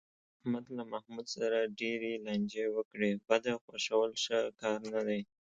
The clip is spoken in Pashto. احمد له محمود سره ډېرې لانجې وکړې، بده خوښول ښه کار نه دی.